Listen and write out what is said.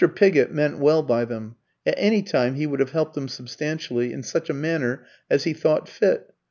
Pigott meant well by them; at any time he would have helped them substantially, in such a manner as he thought fit.